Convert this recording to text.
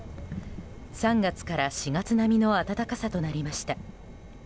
３月から４月並みの暖かさとなりました。